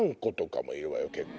結構。